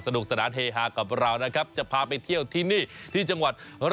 สนุกสนานเฮฮากับเรานะครับจะพาไปเที่ยวที่นี่ที่จังหวัด๑๐